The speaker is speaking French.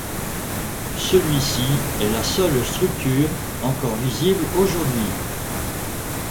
Celui-ci est la seule structure encore visible aujourd'hui.